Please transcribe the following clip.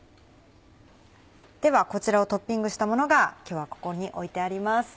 ではこちらをトッピングしたものが今日はここに置いてあります。